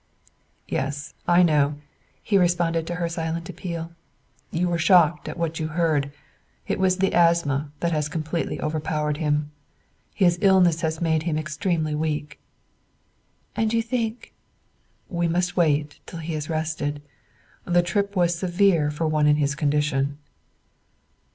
"Yes, I know," he responded to her silent appeal; "you were shocked at what you heard: it was the asthma that has completely overpowered him. His illness has made him extremely weak." "And you think " "We must wait till he has rested; the trip was severe for one in his condition."